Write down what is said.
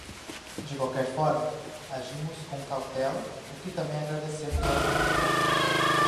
De qualquer forma, agimos com cautela, o que também agradecemos ao governo.